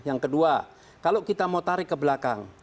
yang kedua kalau kita mau tarik ke belakang